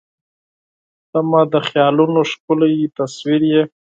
• ته مې د خیالونو ښکلی تصور یې.